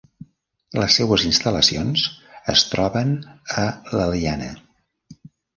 Les seues instal·lacions es troben a l'Eliana.